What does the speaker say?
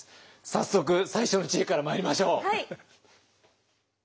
早速最初の知恵からまいりましょう！